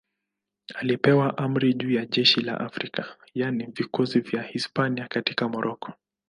Alipewa amri juu ya jeshi la Afrika, yaani vikosi vya Hispania katika Moroko.